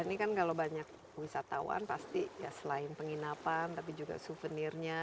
ini kan kalau banyak wisatawan pasti ya selain penginapan tapi juga souvenirnya